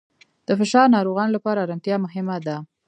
د فشار ناروغانو لپاره آرامتیا مهمه ده.